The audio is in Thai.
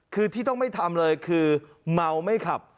คือที่ต้องไม่ทำเลยคือเมาไม่ขับ